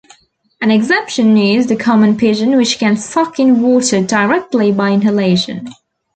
An exception is the common pigeon which can suck in water directly by inhalation.